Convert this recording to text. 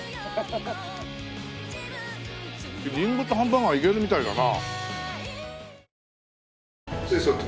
リンゴとハンバーガーいけるみたいだな。